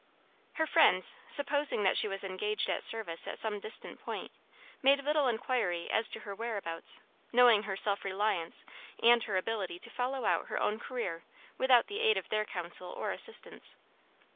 Her friends, supposing that she was engaged at service at some distant point, made little inquiry as to her whereabouts, knowing her self reliance, and her ability to follow out her own career without the aid of their counsel or assistance.